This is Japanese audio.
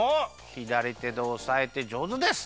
ひだりてでおさえてじょうずです！